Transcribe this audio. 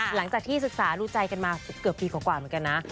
หลังจากที่ศึกษาดูใจกันมาเกือบปีกว่าเหมือนกันนะ